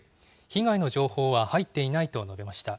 被害の情報は入っていないと述べました。